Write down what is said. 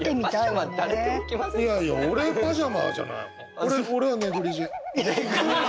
いやいや俺パジャマじゃないもん。